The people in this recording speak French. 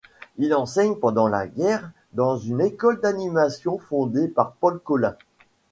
Il enseigne pendant la guerre dans une école d'animation fondée par Paul Colin.